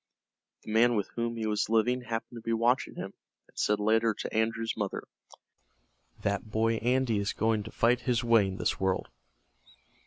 The man with whom he was living happened to be watching him, and said later to Andrew's mother: "That boy Andy is going to fight his way in this world."